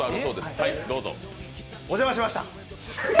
お邪魔しました！